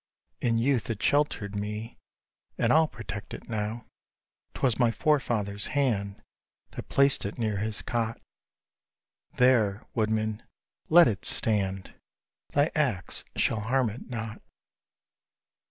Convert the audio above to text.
In youth it sheltered me, And I'll protect it now. 'Twas my forefather's hand That placed it near his cot; There, woodman, let it stand, Thy axe shall harm it not.